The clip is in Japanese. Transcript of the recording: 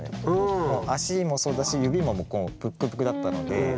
足もそうだし指もぷっくぷくだったのでまあ